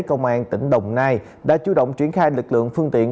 công an tỉnh đồng nai đã chủ động triển khai lực lượng phương tiện